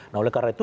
nah oleh karena itu